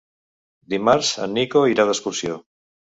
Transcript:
Dimarts en Nico irà d'excursió.